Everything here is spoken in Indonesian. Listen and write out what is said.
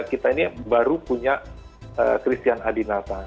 kita ini baru punya christian adinata